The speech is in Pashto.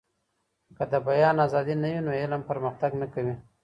که د بيان ازادي نه وي نو علم پرمختګ نه کوي.